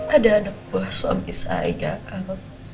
ada anak buah suami saya gak